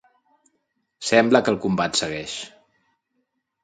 Sembla que el combat segueix.